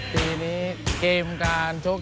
ปีนี้เกมการชก